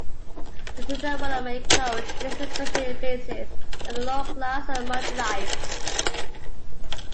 The Deuteronomic Code places special emphasis on the lower class and marginalized.